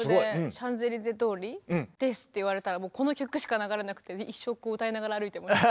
シャンゼリゼ通りですって言われたらもうこの曲しか流れなくて一生こう歌いながら歩いてました。